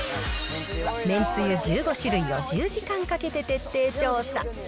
めんつゆ１５種類を１０時間かけて徹底調査。